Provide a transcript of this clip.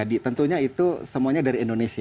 jadi tentunya itu semuanya dari indonesia